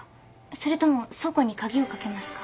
それとも倉庫に鍵を掛けますか？